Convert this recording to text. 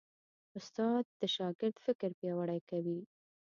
استاد د شاګرد فکر پیاوړی کوي.